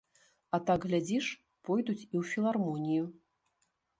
А так, глядзіш, пойдуць і ў філармонію.